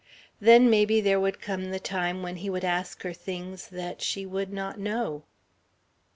Then maybe there would come the time when he would ask her things that she would not know....